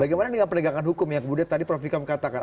bagaimana dengan pendekatan hukum yang budaya tadi prof vika mengatakan